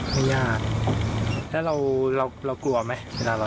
ไม่ยากครับไม่ยากแล้วเรากลัวไหมไม่กลัว